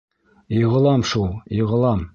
— Йығылам шул, йығылам.